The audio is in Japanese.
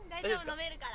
飲めるから。